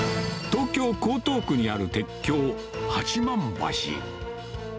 東京・江東区にある鉄橋、八幡橋。